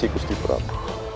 terima kasih guru sipram